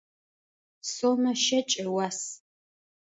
Сомэ щэкӏ ыуас.